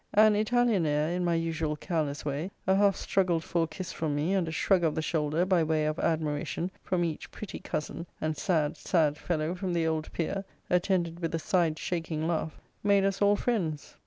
An Italian air, in my usual careless way, a half struggled for kiss from me, and a shrug of the shoulder, by way of admiration, from each pretty cousin, and sad, sad fellow, from the old peer, attended with a side shaking laugh, made us all friends.